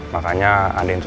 makanya andien tuh